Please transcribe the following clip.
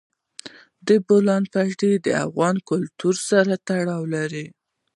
د بولان پټي د افغان کلتور سره تړاو لري.